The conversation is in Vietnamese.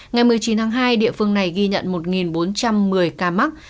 ngày một mươi chín tháng hai địa phương này ghi nhận một bốn trăm một mươi ca mắc